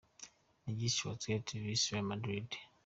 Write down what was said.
Legia Warszawa vs Real Madrid.